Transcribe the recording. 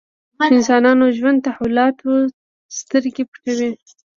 انسانانو ژوند تحولاتو سترګې پټوي.